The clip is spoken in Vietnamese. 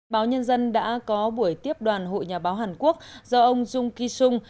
báo nhân dân đã có buổi tiếp đoàn hội nhà báo hàn quốc do ông dung ki sung